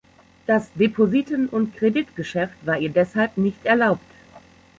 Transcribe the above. Das Depositen- und Kreditgeschäft war ihr deshalb nicht erlaubt.